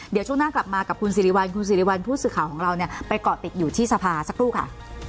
เดี๋ยวช่วงหน้ากลับมากับคุณสิริวัลคุณสิริวัลผู้สื่อข่าวของเราเนี่ยไปเกาะติดอยู่ที่สภาสักครู่ค่ะ